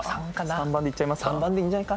３番でいっちゃいますか？